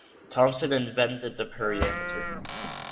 Thompson invented the permeameter.